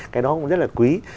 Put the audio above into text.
cái đó cũng rất là quý